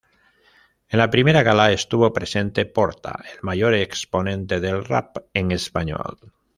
En la primera gala, estuvo presente Porta, el mayor exponente del rap en español.